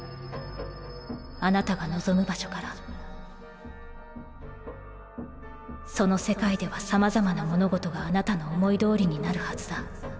あなたが望む場所からその世界ではさまざまな物事があなたの思いどおりになるはずだ。